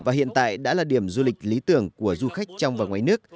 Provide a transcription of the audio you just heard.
và hiện tại đã là điểm du lịch lý tưởng của du khách trong và ngoài nước